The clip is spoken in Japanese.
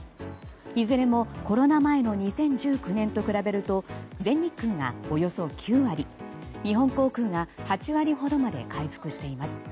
いずれもコロナ前の２０１９年と比べると全日空がおよそ９割日本航空が８割ほどまで回復しています。